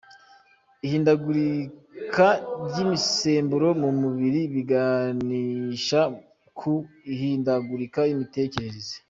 Ihindagurika ry’imisemburo mu mubiri biganisha ku ihindagurika ry’imitekerereze.